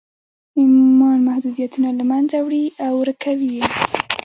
ایمان محدودیتونه له منځه وړي او ورکوي یې